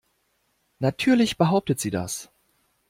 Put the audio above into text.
Natürlich behauptet sie das.